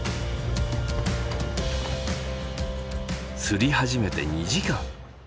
釣り始めて２時間。